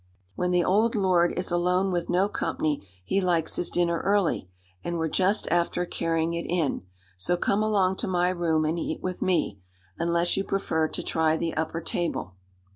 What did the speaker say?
When the old lord is alone with no company, he likes his dinner early; and we're just after carrying it in. So come along to my room and eat with me unless you prefer to try the upper table."